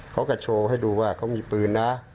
เขาก็โชว์ให้ดูว่าเขามีปืนนะ